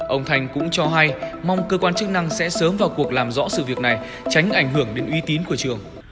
ông thành cũng cho hay mong cơ quan chức năng sẽ sớm vào cuộc làm rõ sự việc này tránh ảnh hưởng đến uy tín của trường